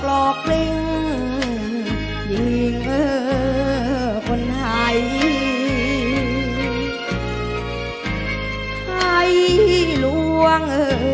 ร้องได้ให้ร้อง